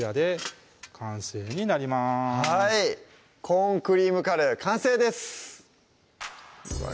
「コーンクリームカレー」完成ですうわ